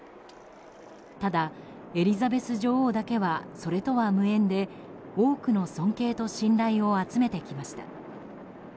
ただ、エリザベス女王だけはそれとは無縁で多くの尊敬と信頼を集めてきました。